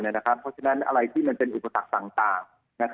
เพราะฉะนั้นอะไรที่มันเป็นอุปสรรคต่าง